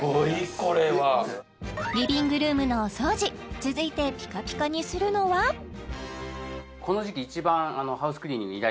リビングルームのお掃除続いてピカピカにするのは出た！